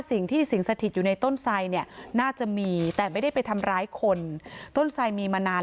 สิ่งสถิตอยู่ในต้นไสเนี่ยน่าจะมีแต่ไม่ได้ไปทำร้ายคนต้นไสมีมานาน